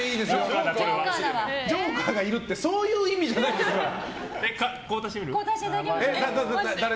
ジョーカーがいるってそういう意味じゃないから。